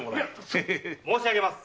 申しあげます。